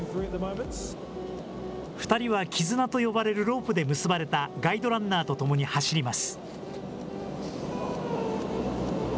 ２人は絆と呼ばれるロープで結ばれたガイドランナーとともに走ります。